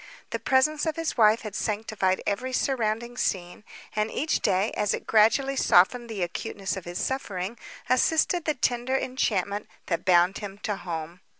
The presence of his wife had sanctified every surrounding scene, and, each day, as it gradually softened the acuteness of his suffering, assisted the tender enchantment that bound him to home.